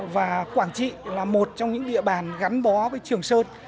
và quảng trị là một trong những địa bàn gắn bó với trường sơn